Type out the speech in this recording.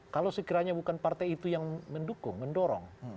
kalau sekiranya bukan partai itu yang mendukung mendorong